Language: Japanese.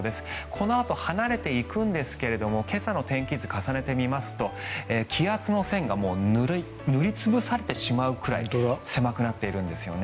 このあと離れていくんですが今朝の天気図、重ねていきますと気圧の線が塗り潰されてしまうくらい狭くなっているんですよね。